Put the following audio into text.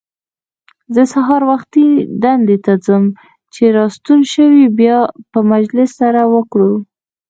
زه سهار وختي دندې ته ځم، چې راستون شوې بیا به مجلس سره وکړو.